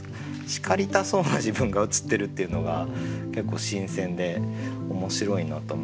叱りたそうな自分が映ってるっていうのが結構新鮮で面白いなと思いますね。